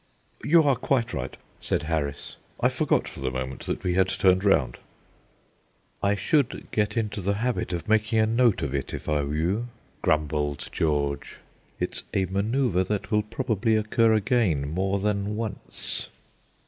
"You are quite right," said Harris; "I forgot for the moment that we had turned round." "I should get into the habit of making a note of it, if I were you," grumbled George; "it's a manoeuvre that will probably occur again more than once."